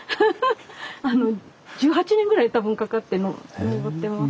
１８年ぐらい多分かかって登ってます。